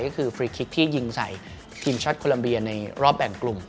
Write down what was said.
ก็คือฟรีคลิกที่ยิงใส่ทีมชาติโคลัมเบียในรอบแบ่งกลุ่ม